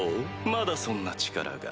まだそんな力が。